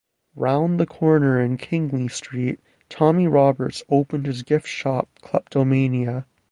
Round the corner in Kingly Street, Tommy Roberts opened his gift shop Kleptomania.